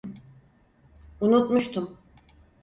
Unutmuştum.